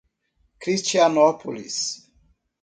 Cristianópolis